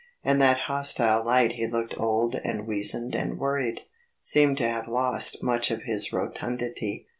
In that hostile light he looked old and weazened and worried; seemed to have lost much of his rotundity.